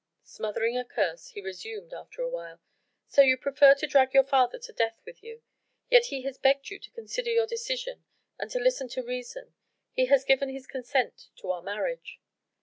Smothering a curse, he resumed after a while: "So you prefer to drag your father to death with you? Yet he has begged you to consider your decision and to listen to reason. He has given his consent to our marriage."